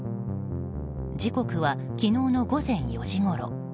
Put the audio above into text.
時刻は昨日の午前４時ごろ。